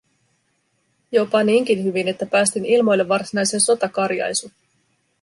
Jopa niinkin hyvin, että päästin ilmoille varsinaisen sotakarjaisun: